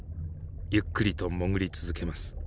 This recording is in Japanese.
ゆっくりと潜り続けます。